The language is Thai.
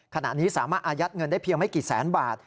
ขณะนี้สามารถอายัดเงินได้เพียงไม่กี่แสนบาท